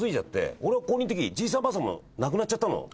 俺が高２の時じいさんばあさんも亡くなっちゃったの。